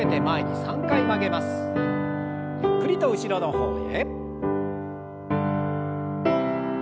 ゆっくりと後ろの方へ。